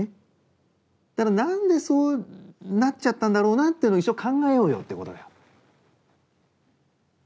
ただなんでそうなっちゃったんだろうなっていうのを一緒に考えようよってことだよ。